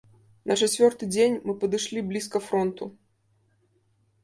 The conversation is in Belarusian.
На чацвёрты дзень мы падышлі блізка фронту.